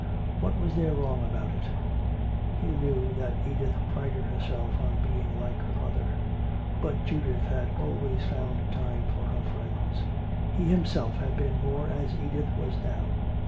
What was there wrong about it? He knew that Edith prided herself on being like her mother. But Judith had always found time for her friends. He himself had been more as Edith was now.